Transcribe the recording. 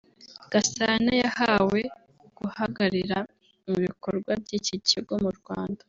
Gasana yahawe guhagararira ibikorwa by’iki kigo mu Rwanda